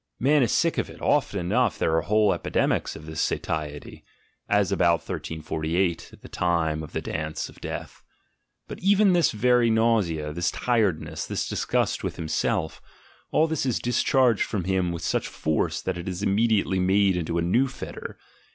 ... Man is sick of it, oft enough there are whole epi demics of this satiety (as about 1348, the time of the Dance of Death) : but even this very nausea, this tired ASCETIC IDEALS 127 ness, this disgust with himself, all this is discharged from him with such force that it is immediately made into a new fetter.